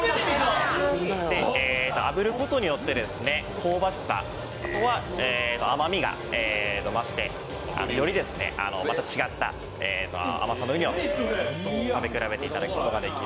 あぶることによって香ばしさ、甘みが増してよりまた違った甘さを食べ比べていただけます。